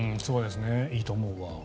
いいと思うわ。